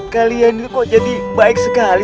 kalian juga kok jadi baik sekali